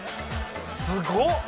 すごっ！